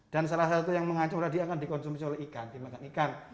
dan salah satu yang mengacau dia akan dikonsumsi oleh ikan